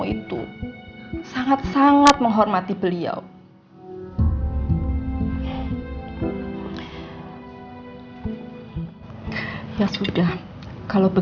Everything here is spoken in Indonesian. ini omana dari papa